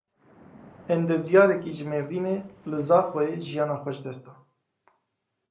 Endezyarekî ji Mêrdînê li Zaxoyê jiyana xwe ji dest da.